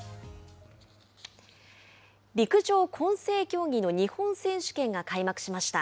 陸上混成競技の日本選手権が開幕しました。